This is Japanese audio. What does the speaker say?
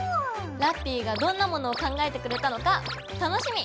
ラッピィがどんなものを考えてくれたのか楽しみ！